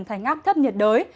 thành áp thấp nhiệt đới